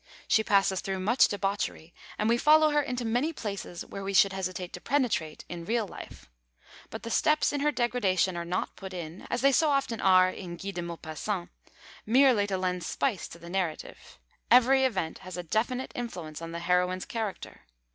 She passes through much debauchery, and we follow her into many places where we should hesitate to penetrate in real life. But the steps in her degradation are not put in, as they so often are in Guy de Maupassant, merely to lend spice to the narrative; every event has a definite influence on the heroine's character.